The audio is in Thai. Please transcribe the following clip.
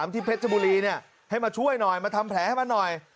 ที่เพชรบุรีให้มาช่วยหน่อยมาทำแผลให้มันหน่อย